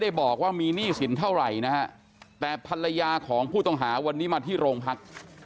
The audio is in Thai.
บอกว่ามีหนี้สินเท่าไหร่นะฮะแต่ภรรยาของผู้ต้องหาวันนี้มาที่โรงพัก